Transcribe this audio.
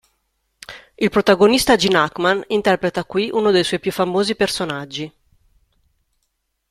Il protagonista Gene Hackman interpreta qui uno dei suoi più famosi personaggi.